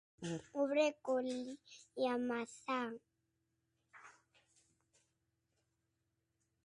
O brecol i a mazán.